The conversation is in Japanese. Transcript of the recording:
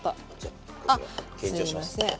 あっすいません。